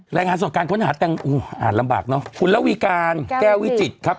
รายงานส่วนการค้นหาอู้ฮอ่านลำบากเนอะคุณละวิการแก้ววิจิตใชตาร์ครับ